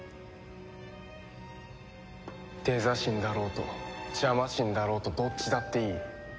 デザ神だろうとジャマ神だろうとどっちだっていい。